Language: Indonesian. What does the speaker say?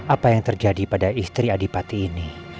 apa yang terjadi pada istri adipati ini